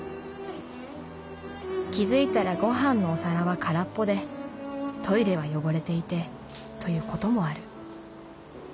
「気付いたらごはんのお皿はからっぽでトイレは汚れていてということもある」。